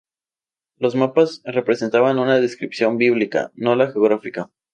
Los mapas representaban una descripción bíblica, no la geografía.